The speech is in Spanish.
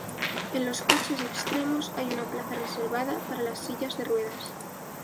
En los coches extremos hay una plaza reservada para las sillas de ruedas.